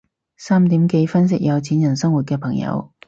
三點幾分析有錢人生活嘅朋友